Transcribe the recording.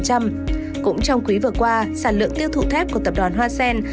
cũng trong quý vừa qua sản lượng tiêu thụ thép của tập đoàn hòa pháp